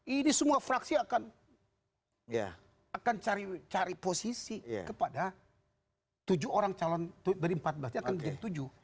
ini semua fraksi akan cari posisi kepada tujuh orang calon dari empat belas nya akan menjadi tujuh